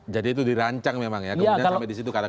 jadi itu dirancang memang ya